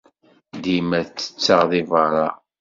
Dima ttetteɣ deg beṛṛa.